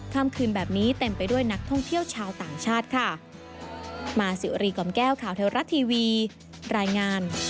ค่ำคืนแบบนี้เต็มไปด้วยนักท่องเที่ยวชาวต่างชาติค่ะ